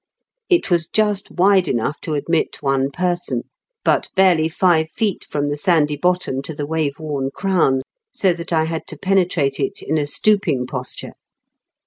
It was just wide enough to admit one person, but barely five feet from the sandy bottom to the wave worn crown, so that I had to penetrate it in a stooping posture.